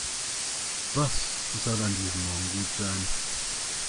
Was soll an diesem Morgen gut sein?